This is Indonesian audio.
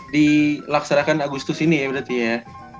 di laksanakan agustus ini ya berarti ya